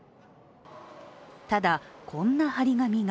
ただ、こんな貼り紙が。